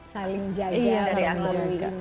saling jaga atau melalui ini ya